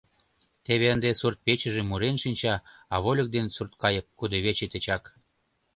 Теве ынде суртпечыже мурен шинча, а вольык ден сурткайык кудывече тичак.